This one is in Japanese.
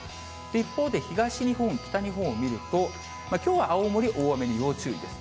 一方で東日本、北日本を見ると、きょうは青森、大雨に要注意です。